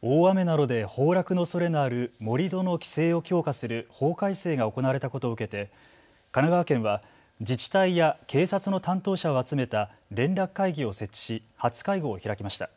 大雨などで崩落のおそれのある盛り土の規制を強化する法改正が行われたことを受けて神奈川県は自治体や警察の担当者を集めた連絡会議を設置し初会合を開きました。